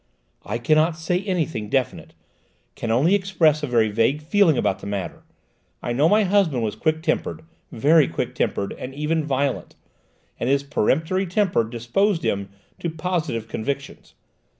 "I cannot say anything definite, can only express a very vague feeling about the matter. I know my husband was quick tempered, very quick tempered, and even violent; and his peremptory temper predisposed him to positive convictions.